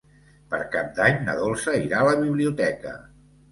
Per Cap d'Any na Dolça irà a la biblioteca.